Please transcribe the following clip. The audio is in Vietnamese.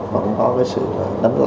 và cũng có sự tình hóa